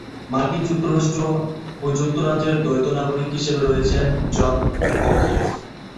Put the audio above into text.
মার্কিন যুক্তরাষ্ট্র ও যুক্তরাজ্যের দ্বৈত নাগরিক হিসেবে রয়েছেন জন ও’কিফ।